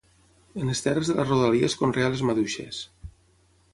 En les terres de la rodalia es conrea les maduixes.